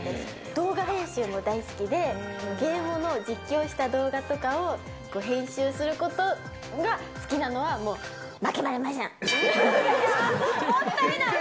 動画編集も大好きで、ゲームの実況をした動画とかを、編集することが好きなのは、もったいない。